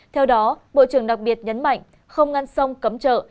theo đó bộ trưởng đặc biệt nhấn mạnh không ngăn xong cấm trợ